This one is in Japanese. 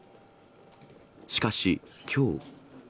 しかし、きょう。